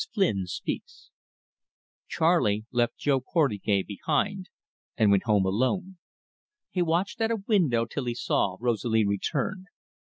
FLYNN SPEAKS CHARLEY left Jo Portugais behind, and went home alone. He watched at a window till he saw Rosalie return.